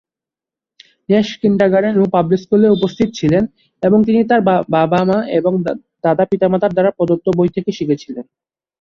Nash kindergarten ও public স্কুলে উপস্থিত ছিলেন, এবং তিনি তার বাবা-মা এবং দাদা-পিতামাতার দ্বারা প্রদত্ত বই থেকে শিখেছিলেন।